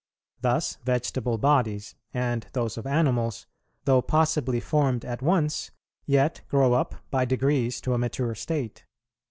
Thus vegetable bodies, and those of animals, though possibly formed at once, yet grow up by degrees to a mature state.